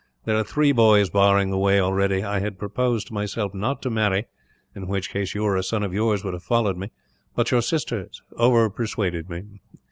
There are three boys barring the way, already. I had proposed to myself not to marry in which case you or a son of yours would have followed me but your sister overpersuaded me."